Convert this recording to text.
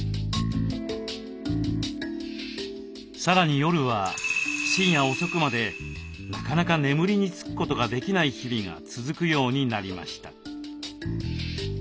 さらに夜は深夜遅くまでなかなか眠りに就くことができない日々が続くようになりました。